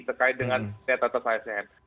terkait dengan net atas asn